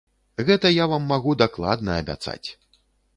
Гэта я вам магу дакладна абяцаць.